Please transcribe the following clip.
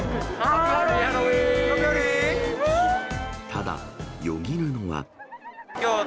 ただ、よぎるのは。